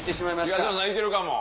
東野さんいけるかも。